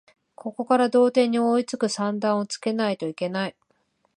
ここから同点に追いつく算段をつけないといけない